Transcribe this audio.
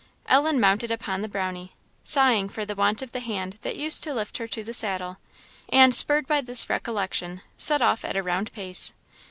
Ellen mounted upon the Brownie, sighing for the want of the hand that used to lift her to the saddle; and spurred by this recollection, set off at a round pace.